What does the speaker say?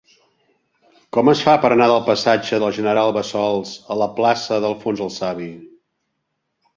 Com es fa per anar de la passatge del General Bassols a la plaça d'Alfons el Savi?